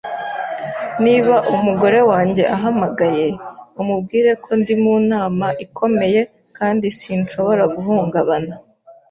Niba umugore wanjye ahamagaye, umubwire ko ndi mu nama ikomeye kandi sinshobora guhungabana.